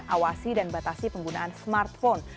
awasi dan batasi penggunaan smartphone